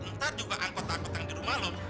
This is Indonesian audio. ntar juga angkot angkot yang di rumah loh